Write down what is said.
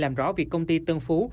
làm rõ việc công ty tân phú